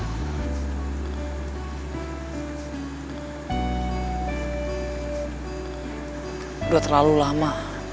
udah terlalu lama